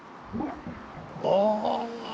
ああ。